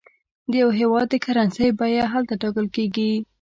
د یو هېواد د کرنسۍ بیه هلته ټاکل کېږي.